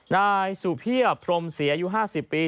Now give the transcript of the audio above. นายสุเพียบพรมศรีอายุ๕๐ปี